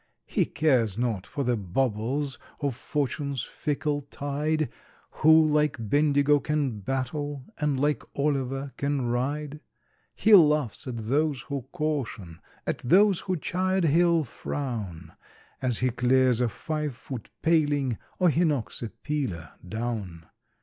He cares not for the bubbles of Fortune's fickle tide, Who like Bendigo can battle, and like Olliver can ride. He laughs at those who caution, at those who chide he'll frown, As he clears a five foot paling, or he knocks a peeler down.